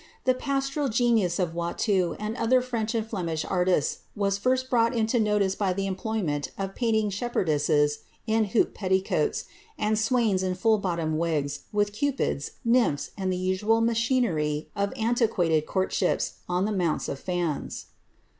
The pastoral genius of Watteau and other French and Flemish artists first brought into notice by the employment of painting shepherd in hoop petticoats, and swains in full bottomed wigs, with cupids, nymphs, and the usual machinery of antiquated courtships, on the mounts of fans.